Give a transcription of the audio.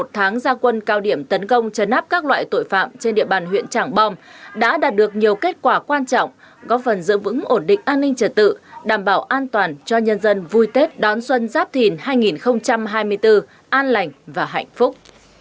tháng gia quân cao điểm tấn công chấn áp các loại tội phạm trên địa bàn huyện trảng bom đã đạt được nhiều kết quả quan trọng góp phần giữ vững ổn định an ninh trật tự đảm bảo an toàn cho nhân dân vui tết đón xuân giáp thìn hai nghìn hai mươi bốn an lành và hạnh phúc